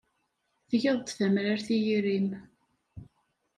Tgiḍ-d tamrart i yiri-m.